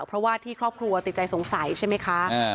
เพราะว่าที่ครอบครัวติดใจสงสัยใช่ไหมคะ